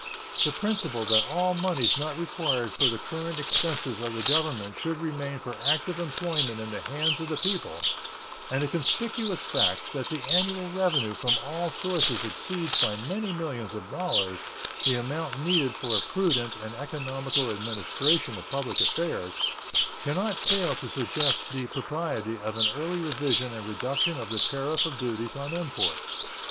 The principle that all moneys not required for the current expenses of the Government should remain for active employment in the hands of the people and the conspicuous fact that the annual revenue from all sources exceeds by many millions of dollars the amount needed for a prudent and economical administration of public affairs can not fail to suggest the propriety of an early revision and reduction of the tariff of duties on imports.